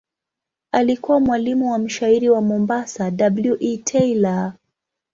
Alikuwa mwalimu wa mshairi wa Mombasa W. E. Taylor.